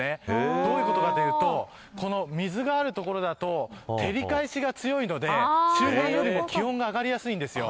どういうことかというと水があるところだと照り返しが強いので周辺よりも気温が上がりやすいんですよ。